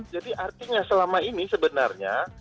jadi artinya selama ini sebenarnya